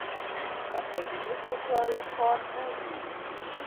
اکاډیمیکو چارو کار نه وي.